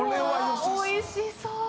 ・おいしそう。